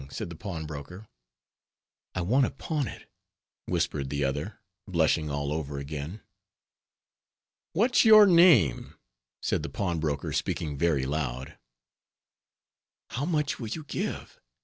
said the pawnbroker. "I want to pawn it," whispered the other, blushing all over again. "What's your name?" said the pawnbroker, speaking very loud. "How much will you give?"